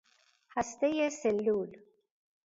هستهُ سلول